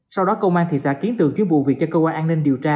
sau đó công an thị xã kiến tường chuyên vụ việc cho cơ quan an ninh điều tra